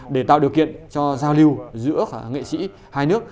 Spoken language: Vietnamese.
để tạo điều kiện cho giao lưu giữa nghệ sĩ hai nước